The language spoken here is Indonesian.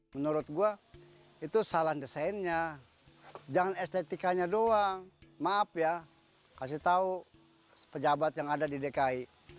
menurut gue itu salah desainnya jangan estetikanya doang maaf ya kasih tahu pejabat yang ada di dki